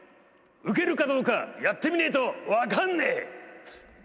受けるかどうかやってみねえと分かんねえ！